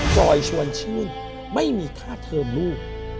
ซอยชวนชื่นไม่มีค่าเทิมลูก